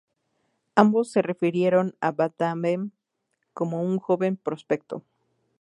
Ambos se refirieron a Van Damme como un joven prospecto.